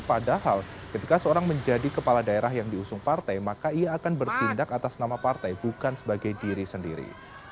padahal ketika seorang menjadi kepala daerah yang diusung partai maka ia akan bertindak atas nama partai bukan sebagai diri sendiri